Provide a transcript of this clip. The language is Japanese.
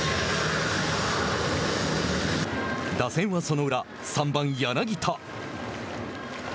打線はその裏、３番柳田。